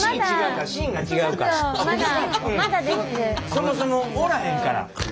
そもそもおらへんから。